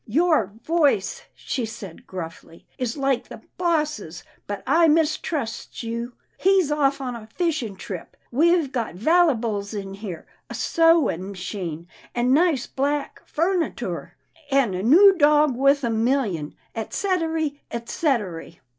" Your voice," she said gruffly, " is like the boss's, but I mistrusts you. He's off on a fishin' trip. We've gut vallybles in here — a sewin' 282 'TILDA JANE'S ORPHANS machine, an' nice black furnitoor, an' a noo dog wuth a million, et cettery, et cettery."